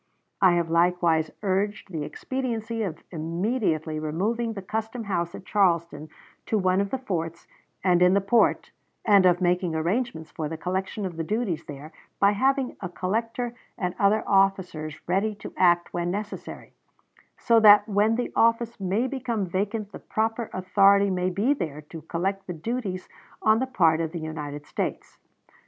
I have likewise urged the expediency of immediately removing the custom house at Charleston to one of the forts in the port, and of making arrangements for the collection of the duties there, by having a collector and other officers ready to act when necessary, so that when the office may become vacant the proper authority may be there to collect the duties on the part of the United States.